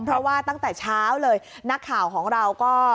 เพราะว่าตั้งแต่เช้าเลยนักข่าวของเราก็